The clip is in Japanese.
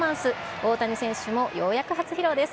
大谷選手もようやく初披露です。